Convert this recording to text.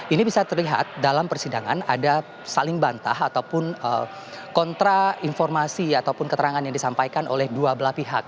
ini bisa terlihat dalam persidangan ada saling bantah ataupun kontra informasi ataupun keterangan yang disampaikan oleh dua belah pihak